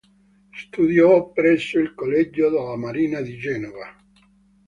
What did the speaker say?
Studiò presso il Collegio della Marina di Genova.